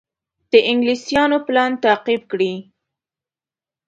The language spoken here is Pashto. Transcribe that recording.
د انګلیسیانو پلان تعقیب کړي.